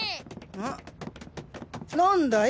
ん何だい？